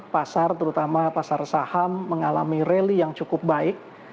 pasar terutama pasar saham mengalami rally yang cukup baik